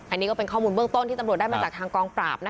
อันนี้ก็เป็นข้อมูลเบื้องต้นที่ตำรวจได้มาจากทางกองปราบ